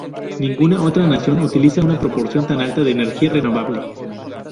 Ninguna otra nación utiliza una proporción tan alta de de energía renovable.